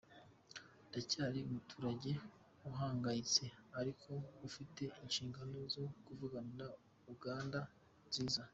Ndacyari umuturage uhangayitse ariko ufite inshingano zo kuvuganira Uganda nziza.”